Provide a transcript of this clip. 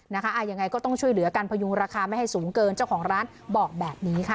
ยังไงก็ต้องช่วยเหลือการพยุงราคาไม่ให้สูงเกินเจ้าของร้านบอกแบบนี้ค่ะ